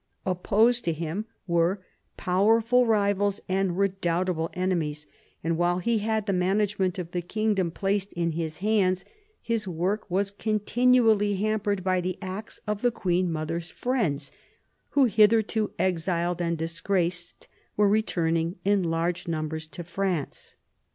Opposed to him were "powerful rivals and redoubtable enemies," and while he had the management of the kingdom placed in his hands, his work was continually hampered by the acts of the queen mother's friends, who, hitherto exiled and disgraced, were returning in large numbers to France.